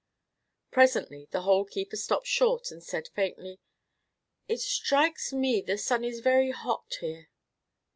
Presently the Hole keeper stopped short and said, faintly, "It strikes me the sun is very hot here."